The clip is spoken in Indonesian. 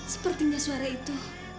sepertinya suara itu